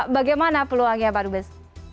bagaimana peluangnya pak dubes